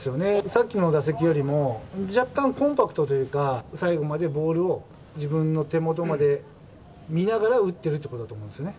さっきの打席よりも、若干コンパクトというか、最後までボールを自分の手元まで見ながら打ってるっていうことだと思うんですよね。